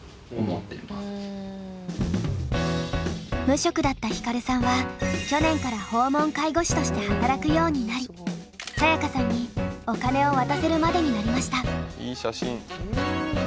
無職だったヒカルさんは去年から訪問介護士として働くようになりサヤカさんにお金を渡せるまでになりました。